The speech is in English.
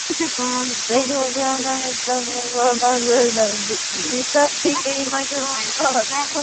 The Los Angeles City College Foundation also honored Colletti for his work with youth.